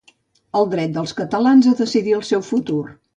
El dret dels catalans a decidir el seu futur.